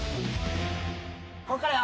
こっからよ。